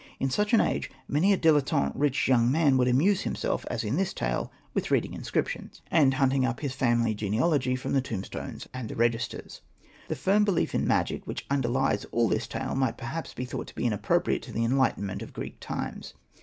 In such an age many a dilettante rich young man would amuse him self, as in this tale, with reading inscriptions Hosted by Google 128 SETNA AND THE MAGIC BOOK and hunting up his family genealogy from the tombstones and the registers. The firm belief in magic which underlies all this tale might perhaps be thought to be inappropriate to the enlightenment of Greek times.